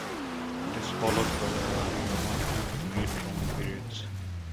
It is followed by Early Roman and Late Roman periods.